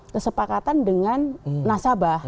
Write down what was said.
tuduhan atau sebuah